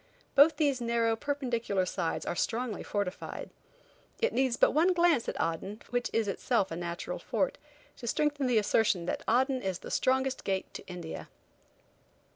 Both these narrow, perpendicular sides are strongly fortified. It needs but one glance at Aden, which is in itself a natural fort, to strengthen the assertion that Aden is the strongest gate to India.